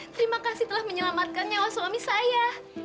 terima kasih telah menyelamatkan nyawa suami saya